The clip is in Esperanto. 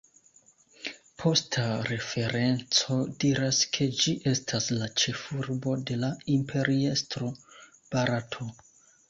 Posta referenco diras ke ĝi estas la ĉefurbo de la Imperiestro Barato.